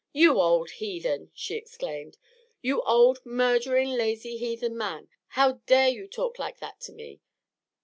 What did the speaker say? "You old heathen!" she exclaimed. "You old murderin' lazy heathen man! How dare you talk like that to me?"